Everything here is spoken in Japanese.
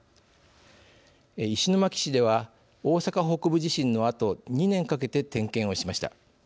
石巻市では大阪北部地震のあと２年かけて点検をしました。